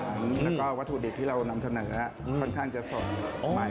แล้วก็วัตถุดิบที่เรานำเสนอค่อนข้างจะสดใหม่